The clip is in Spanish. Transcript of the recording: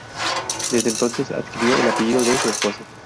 Desde entonces, adquirió el apellido de su esposa.